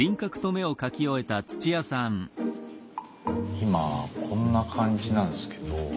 今こんな感じなんすけど。